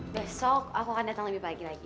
besok aku akan datang lebih pagi lagi